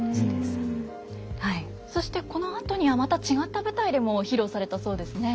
そしてこのあとにはまた違った舞台でも披露されたそうですね。